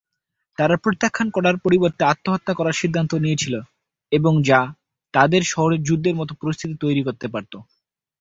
তারা প্রত্যাখ্যান করার পরিবর্তে আত্মহত্যা করার সিদ্ধান্ত নিয়েছিল, এবং যা তাদের শহরে যুদ্ধের মতো পরিস্থিতি তৈরি করতে পারত।